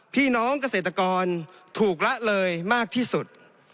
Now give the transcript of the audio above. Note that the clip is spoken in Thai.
พี่น้องเกษตรกรถูกละเลยมากที่สุด